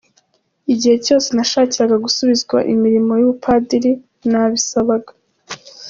Igihe cyose nashakira gusubizwa imirimo y’ubupadiri, nabisaba.